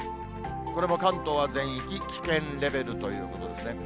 これも関東は全域、危険レベルということですね。